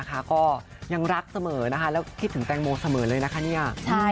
ก็ยังรักเสมอนะคะแล้วคิดถึงแตงโมเสมอเลยนะคะเนี่ย